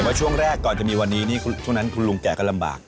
บอกเลยครับว่าไม่ธรรมดา